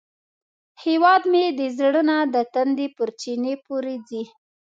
هیواد مې له زړه نه د تندي تر چینې پورې ځي